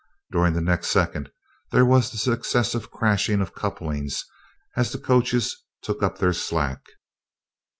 During the next second there was the successive crashing of couplings as the coaches took up their slack.